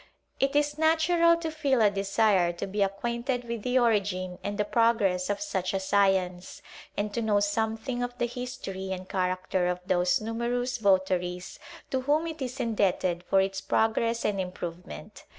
It is natural to feel a desire to be acquainted with the origin and the progress of such a science ; and to know something of the history and character of those numerous votaries to whom it is indebted for its pro gress and improvement.